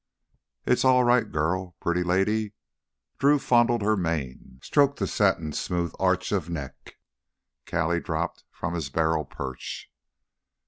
"It's all right, girl—pretty lady—" Drew fondled her mane, stroked the satin smooth arch of neck. Callie dropped from his barrel perch.